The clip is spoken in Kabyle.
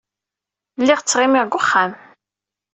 Lliɣ ttɣimiɣ deg wexxam.